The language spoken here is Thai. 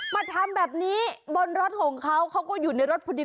มาทำแบบนี้บนรถของเขาเขาก็อยู่ในรถพอดี